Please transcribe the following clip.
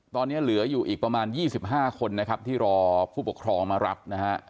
ตอนนี้เหลืออยู่อีกประมาณ๒๕คนนะครับที่รอผู้ปกครองมารับนะฮะ